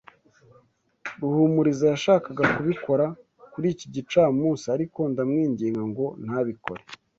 Ruhumuriza yashakaga kubikora kuri iki gicamunsi, ariko ndamwinginga ngo ntabikore.